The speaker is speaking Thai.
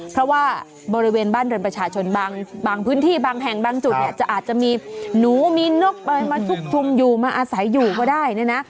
เพราะว่าบริเวณบ้านเรือนประชาชนบางพื้นที่บางแห่งบางจุดเนี่ยจะอาจจะมีหนูมีนกอะไรมาชุกชุมอยู่มาอาศัยอยู่ก็ได้เนี่ยนะ